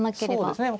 そうですね。